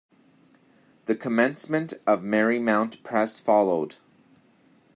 The commencement of Merrymount Press followed.